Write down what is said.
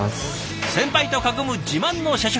先輩と囲む自慢の社食